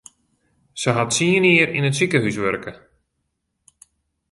Se hat tsien jier yn it sikehús wurke.